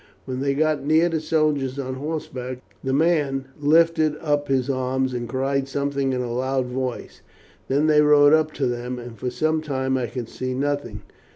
When they got near the soldiers on horseback the man lifted up his arms and cried something in a loud voice. Then they rode up to them, and for some time I could see nothing.